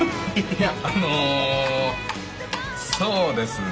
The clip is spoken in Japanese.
いやあのそうですね。